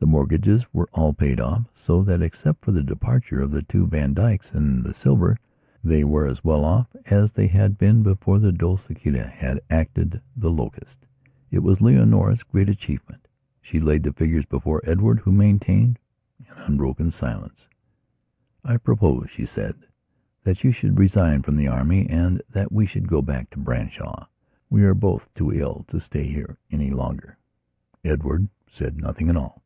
The mortgages were all paid off, so that, except for the departure of the two Vandykes and the silver, they were as well off as they had been before the Dolciquita had acted the locust. It was Leonora's great achievement. She laid the figures before Edward, who maintained an unbroken silence. "I propose," she said, "that you should resign from the Army and that we should go back to Branshaw. We are both too ill to stay here any longer." Edward said nothing at all.